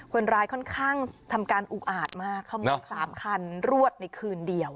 คนร้ายค่อนข้างทำการอุกอาจมากขโมย๓คันรวดในคืนเดียว